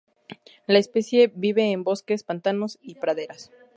La especie vive en bosques, pantanos y praderas.